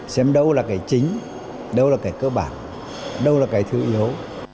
xem đâu là cái chính đâu là cái cơ bản đâu là cái thứ yếu